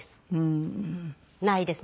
ないです。